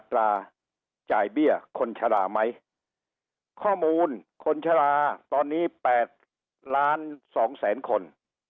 ตราจ่ายเบี้ยคนชะลาไหมข้อมูลคนชะลาตอนนี้๘ล้านสองแสนคน